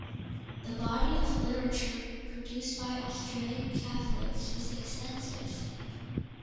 The body of literature produced by Australian Catholics is extensive.